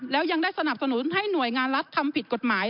แล้วยังได้สนับสนุนให้หน่วยงานรัฐทำผิดกฎหมาย